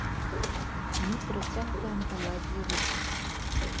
Мы працягваем уладзе руку.